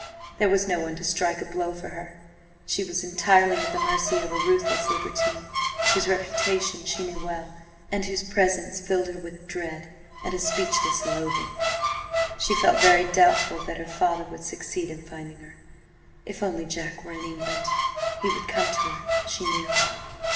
There was no one to strike a blow for her; she was entirely at the mercy of a ruthless libertine, whose reputation she knew well, and whose presence filled her with dread and a speechless loathing. She felt very doubtful that her father would succeed in finding her. If only Jack were in England! He would come to her, she knew.